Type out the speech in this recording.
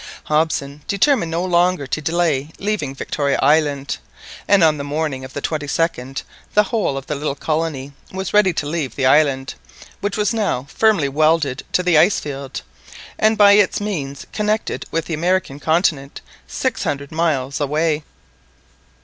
Hobson determined no longer to delay leaving Victoria Island, and on the morning of the 22d the whole of the little colony was ready to leave the island, which was now firmly welded to the ice field, and by its means connected with the American continent, six hundred miles away.